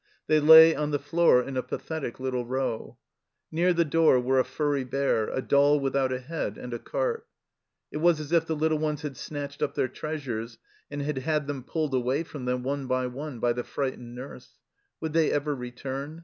They lay on the floor in a pathetic little row. Near the door were a furry bear, a doll without a head, and a cart. It was as if the little ones had snatched up their treasures, and had had them pulled away from them one by one by the frightened nurse. Would they ever return